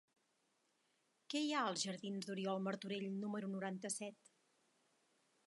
Què hi ha als jardins d'Oriol Martorell número noranta-set?